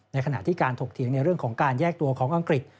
ขณะที่การถกเถียงในเรื่องของการแยกตัวของอังกฤษ